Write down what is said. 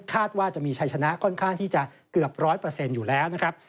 ว่าจะมีชัยชนะค่อนข้างที่จะเกือบ๑๐๐อยู่แล้วนะครับ